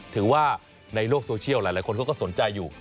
ถือว่าในโลกโซเชียลหลายคนเขาก็สนใจอยู่